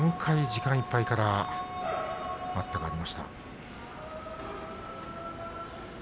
時間いっぱいから３回、待ったがありました。